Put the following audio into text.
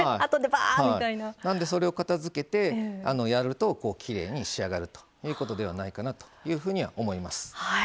なので、それを片づけてやるときれいに仕上がるということじゃないかなとというふうには思います。